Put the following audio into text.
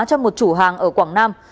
cho một chủ hàng ở quảng nam